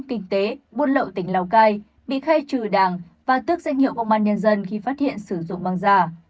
kinh tế buôn lậu tỉnh lào cai bị khai trừ đảng và tước danh hiệu công an nhân dân khi phát hiện sử dụng băng giả